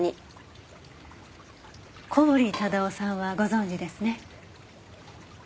小堀忠夫さんはご存じですね？